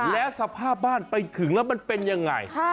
แล้วสภาพบ้านไปถึงแล้วมันเป็นยังไง